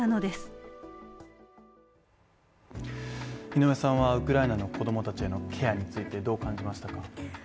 井上さんはウクライナの子供たちへのケアについてどう感じましたか